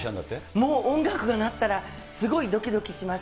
もう音楽が鳴ったら、すごいどきどきします。